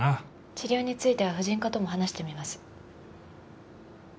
治療については婦人科とも話してみます。